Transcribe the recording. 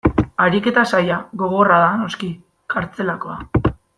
Ariketa zaila, gogorra da, noski, kartzelakoa.